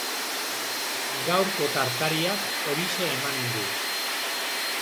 Gaurko tartariak horixe emanen du.